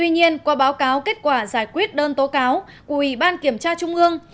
nhưng qua báo cáo kết quả giải quyết đơn tố cáo của ủy ban kiểm tra trung ương